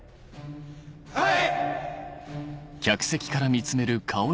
はい！